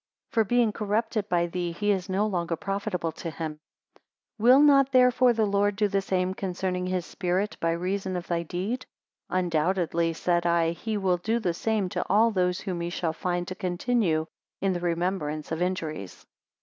For being corrupted by thee, he is no longer profitable to him. 273 Will not therefore the Lord do the same concerning his Spirit, by reason of thy deed? Undoubtedly, said I, he will do the same to all those whom he shall find to continue in the remembrance of injuries.